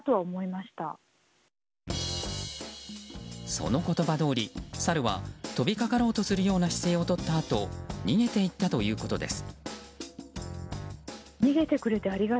その言葉どおり、サルは飛びかかろうとするような姿勢をとったあと逃げて行ったということです。